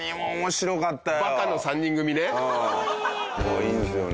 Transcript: いいんですよね。